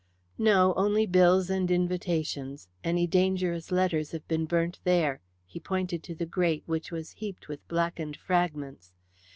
"No; only bills and invitations. Any dangerous letters have been burnt there." He pointed to the grate, which was heaped with blackened fragments.